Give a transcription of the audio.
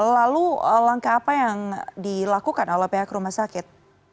lalu langkah apa yang dilakukan oleh pihak rumah sakit